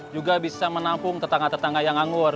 juga bisa menampung tetangga tetangga yang nganggur